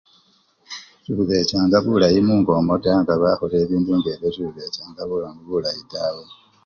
Sebubechanga bulayi mungo omwo taa, nga bakholele bindu ngebyo sebubechanga bulamu bulayi tawe.